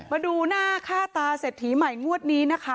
มาดูหน้าค่าตาเศรษฐีใหม่งวดนี้นะคะ